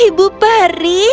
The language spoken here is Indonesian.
ibu peri berdiri di depan mereka